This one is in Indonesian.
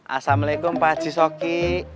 assalamualaikum pak haji soki